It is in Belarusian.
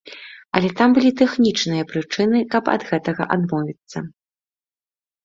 Але там былі тэхнічныя прычыны, каб ад гэтага адмовіцца.